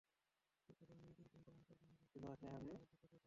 শিক্ষার্থীরা নিজেদের গুণ প্রমাণ করবেন এবং সেই গুণ অন্যদের মধ্যে ছড়িয়ে দেবেন।